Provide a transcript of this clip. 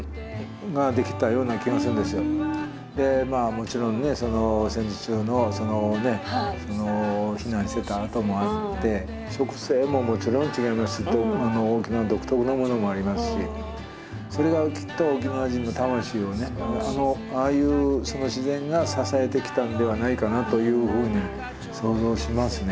もちろんね戦時中の避難してた跡もあって植生ももちろん違いますし沖縄独特のものもありますしそれがきっと沖縄人の魂をねああいう自然が支えてきたのではないかなというふうに想像しますね。